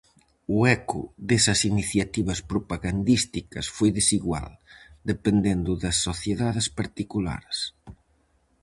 O eco desas iniciativas propagandísticas foi desigual, dependendo das sociedades particulares.